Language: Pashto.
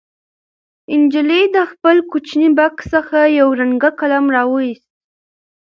نجلۍ د خپل کوچني بکس څخه یو رنګه قلم راوویست.